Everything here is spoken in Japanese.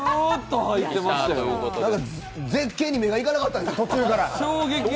絶景に目がいかなかったです、途中から。